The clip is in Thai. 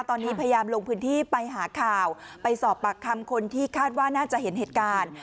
ตอนนี้พยายามลงพื้นที่ไปหาข่าวไปสอบปากคำคนที่คาดว่าน่าจะเห็นเหตุการณ์